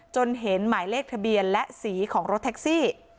จนเห็นหมายเลขทะเบียนและสีของรถแท็กซี่